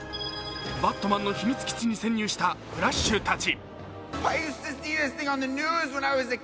バットマンの秘密基地に潜入したフラッシュたち。